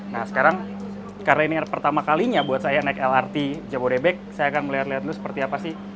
nah sekarang karena ini pertama kalinya buat saya naik lrt jabodebek saya akan melihat lihat dulu seperti apa sih